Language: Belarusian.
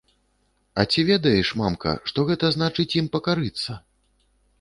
А ці ведаеш, мамка, што гэта значыць ім пакарыцца?